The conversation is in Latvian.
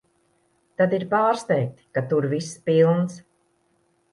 Tad ir pārsteigti, ka tur viss pilns.